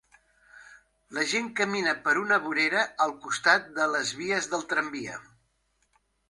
La gent camina per una vorera al costat de les vies del tramvia.